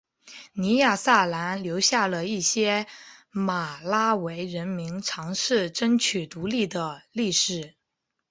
尼亚萨兰留下了一些马拉维人民尝试争取独立的历史。